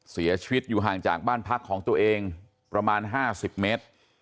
เสียชีวิตอยู่ห่างจากบ้านพักของตัวเองประมาณ๕๐เมตร